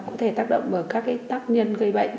có thể tác động bởi các tác nhân gây bệnh